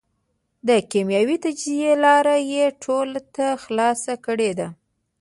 د کېمیاوي تجزیې لاره یې ټولو ته خلاصه کړېده.